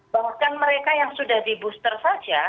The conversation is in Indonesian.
bahkan mereka yang sudah di booster saja